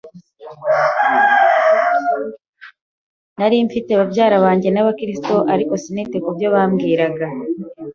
nari mfite babyara banjye b’ abakirisitu ariko sinite ku byo bambwiraga.